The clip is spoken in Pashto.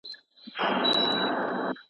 له ځانه ډېره مينه تا سره کوومه